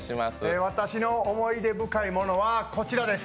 私の思い出深いものはこちらです。